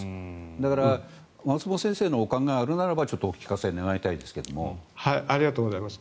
だから、松本先生のお考えがあるならばありがとうございます。